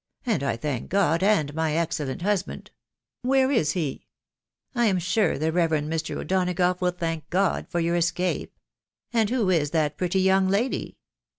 . and I thank God, and my excellent husband .... where is he ?.... I am sure the Reverend Mr. O'Donagough will thank God for your escape. ••. And who is that pretty young lady